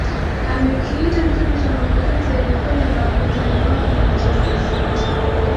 amekiita kitendo cha mapokezi yaliofanywa na wapinzani wao manchester city